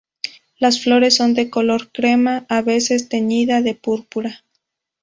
Las flores son de color crema, a veces teñida de púrpura.